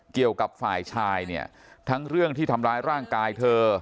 เกี่ยวกับฝ่ายชายเนี่ยทั้งเรื่องที่ทำร้ายร่างกายเธอ